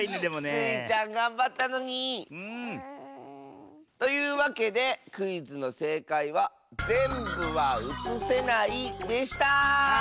スイちゃんがんばったのに！というわけでクイズのせいかいは「ぜんぶはうつせない」でした！